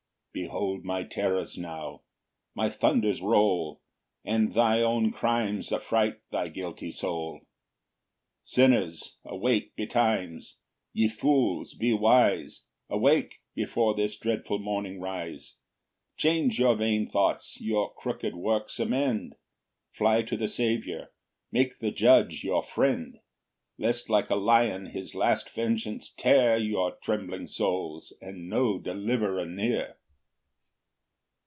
Behold my terrors now: my thunders roll, And thy own crimes affright thy guilty soul. 9 Sinners, awake betimes; ye fools, be wise; Awake, before this dreadful morning rise; Change your vain thoughts, your crooked works amend, Fly to the Saviour, make the Judge your friend; Lest like a lion his last vengeance tear Your trembling souls, and no deliverer near.